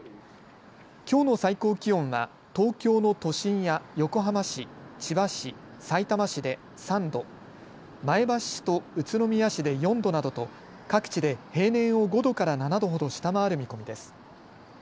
きょうの最高気温は東京の都心や横浜市、千葉市、さいたま市で３度、前橋市と宇都宮市で４度などと各地で平年を５度から７度ほど下回る見込みです。